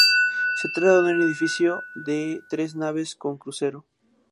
Se trata de un edificio de tres naves con crucero.